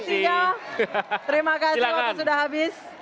terima kasih waktu sudah habis